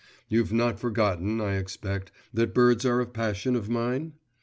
You've not forgotten, I expect, that birds are a passion of mine?